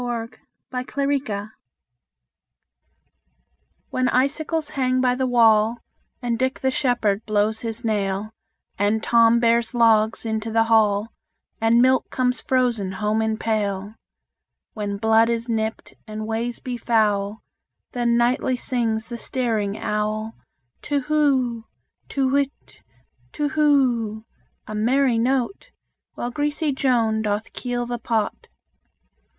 W X . Y Z Winter When icicles hang by the wall And Dick the shepherd blows his nail And Tom bears logs into the hall, And milk comes frozen home in pail, When Blood is nipped and ways be foul, Then nightly sings the staring owl, Tu who; Tu whit, tu who: a merry note, While greasy Joan doth keel the pot.